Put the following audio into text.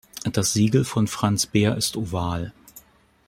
Das Siegel von Franz Beer ist oval.